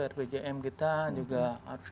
rpjm kita juga harus